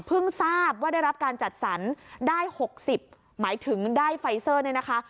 ทราบว่าได้รับการจัดสรรได้๖๐หมายถึงได้ไฟเซอร์เนี่ยนะคะ